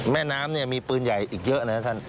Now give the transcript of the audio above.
แม่น้ำเนี่ยมีปืนใหญ่อีกเยอะนะครับท่าน